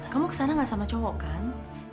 kamu kesana gak sama cowok kan